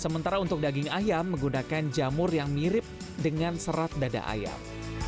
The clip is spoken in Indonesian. sementara untuk daging ayam menggunakan jamur yang mirip dengan serat dada ayam